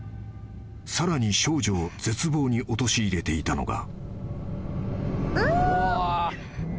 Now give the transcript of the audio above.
［さらに少女を絶望に陥れていたのが］